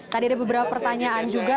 tadi ada beberapa pertanyaan juga